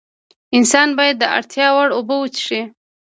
انسان باید د اړتیا وړ اوبه وڅښي